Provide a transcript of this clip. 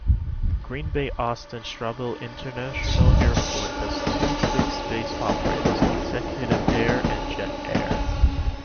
Green Bay-Austin Straubel International Airport has two fixed-base operators: Executive Air and Jet Air.